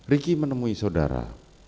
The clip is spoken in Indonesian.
ricky menemui saudara